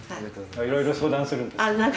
いろいろ相談するんですか？